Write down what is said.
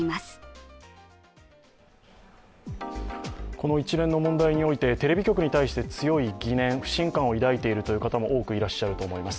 この一連の問題において、テレビ局に対して強い疑念、不信感を抱いている方も多くいると思います。